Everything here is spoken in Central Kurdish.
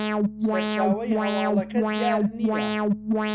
سەرچاوەی هەواڵەکە دیار نییە